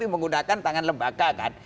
menggunakan tangan lembaga kan